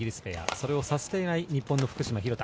それをさせていない日本の福島、廣田。